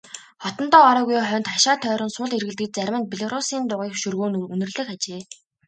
Хотондоо ороогүй хоньд хашаа тойрон сул эргэлдэж зарим нь белоруссын дугуй шөргөөн үнэрлэх ажээ.